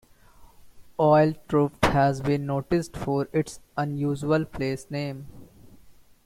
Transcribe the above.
Oil Trough has been noted for its unusual place name.